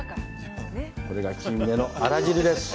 これがキンメのあら汁です。